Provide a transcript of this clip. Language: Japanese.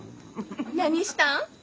何したん？